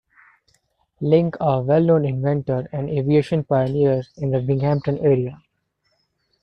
Link a well-known inventor and aviation pioneer in the Binghamton area.